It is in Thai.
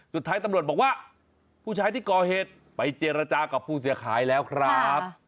สุดท้ายตำรวจบอกว่าผู้ชายที่ก่อเหตุไปเจรจากับผู้เสียหายแล้วครับ